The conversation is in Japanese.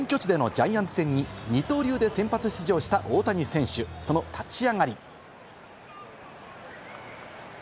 本拠地でのジャイアンツ戦に二刀流で先発出場した大谷選手、その立ち上がり。